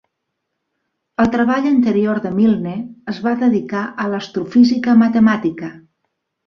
El treball anterior de Milne es va dedicar a l'astrofísica matemàtica.